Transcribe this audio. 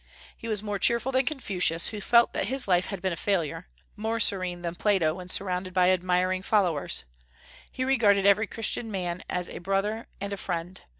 He was more cheerful than Confucius, who felt that his life had been a failure; more serene than Plato when surrounded by admiring followers. He regarded every Christian man as a brother and a friend.